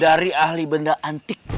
dari ahli benda antik